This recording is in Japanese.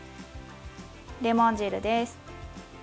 レモン汁です。